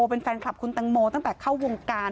เป็นแฟนคลับคุณตังโมตั้งแต่เข้าวงการ